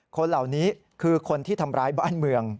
คนเหล่านี้คือคนที่ทำร้ายบ้านเมือง